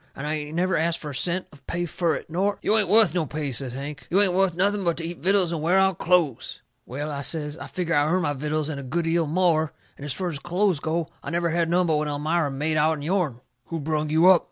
And I ain't never ast fur a cent of pay fur it, nor " "You ain't wuth no pay," says Hank. "You ain't wuth nothing but to eat vittles and wear out clothes." "Well," I says, "I figger I earn my vittles and a good 'eal more. And as fur as clothes goes, I never had none but what Elmira made out'n yourn." "Who brung you up?"